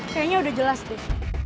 kayaknya udah jelas tuh